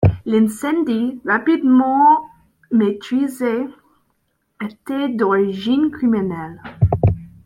L'incendie, rapidement maîtrisé, était d'origine criminelle.